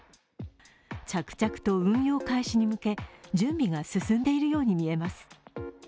着々と運用開始に向け準備が進んでいるように見えます。